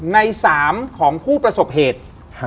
ใน๓ของผู้ประสบเหตุ